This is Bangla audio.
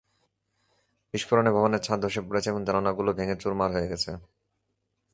বিস্ফোরণে ভবনের ছাদ ধসে পড়েছে এবং জানালাগুলো ভেঙে চুরমার হয়ে গেছে।